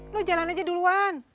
lo jalan aja duluan